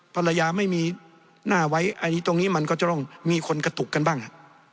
ภรรยาไม่มีหน้าไว้อันนี้ตรงนี้มันก็จะต้องมีคนกระตุกกันบ้าง